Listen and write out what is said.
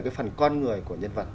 cái phần con người của nhân vật